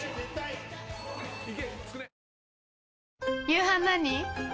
夕飯何？